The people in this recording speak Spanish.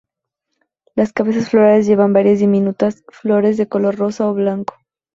Las cabezas florales llevan varias diminutas flores de color rosa o blanco.